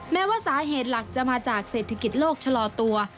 แม้ว่าสาเหตุหลักจะมาจากเศรษฐกิจโลกชะลอตัว